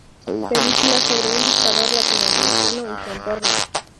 Película sobre un dictador latinoamericano y su entorno.